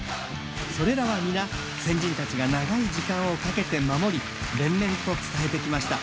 それらは皆先人たちが長い時間をかけて守り連綿と伝えてきました。